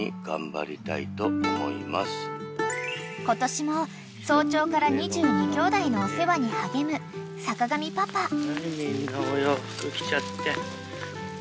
［今年も早朝から２２きょうだいのお世話に励む坂上パパ］